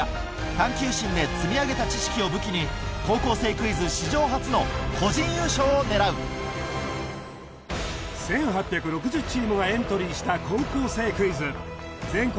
探究心で積み上げた知識を武器に『高校生クイズ』１８６０チームがエントリーした『高校生クイズ』全国